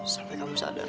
sampai kamu sadar